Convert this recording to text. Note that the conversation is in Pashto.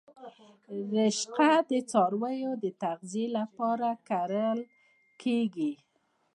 رشقه د څارویو د تغذیې لپاره کرل کیږي